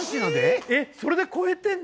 えっそれで超えてんの？